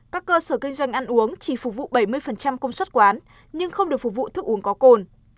các cơ sở kinh doanh ăn uống chỉ phục vụ bảy mươi công suất quán nhưng không được phục vụ thức uống có cồn